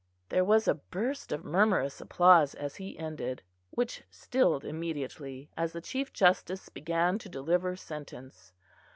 There was a burst of murmurous applause as he ended, which stilled immediately, as the Chief Justice began to deliver sentence.